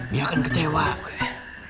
dia akan kecewa bukannya